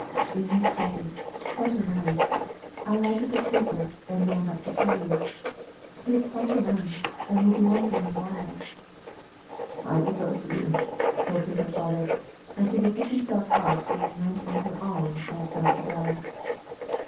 "In your study, quite alone. I lighted the taper, and ran up to tell you. He is quite alone, and will be wondering why " "I will go to him," broke in her father; and he lifted himself up and leant on her arm as on that of a guide.